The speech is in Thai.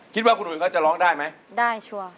คิดว่าคุณอุ๋ยเขาจะร้องได้ไหมได้ชั่ว